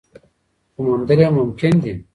خو موندل یې ممکن دي.